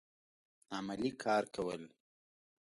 عملي کار کول